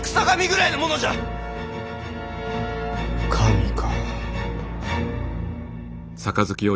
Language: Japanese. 神か。